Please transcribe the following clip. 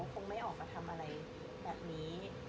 คงไม่ออกมาทำอะไรแบบนี้